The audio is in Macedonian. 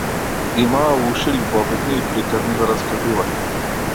Имаа уши љубопитни и приказни за раскажување.